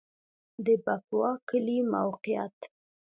د بکوا کلی موقعیت